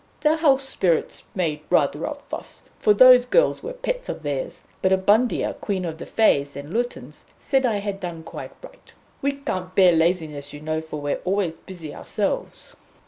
The House Spirits made rather a fuss, for those girls were pets of theirs, but Abundia, Queen of the Fées and Lutins, said I had done quite right. We can't bear laziness, you know, for we're always busy ourselves."